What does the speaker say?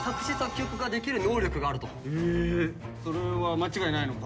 それは間違いないのか？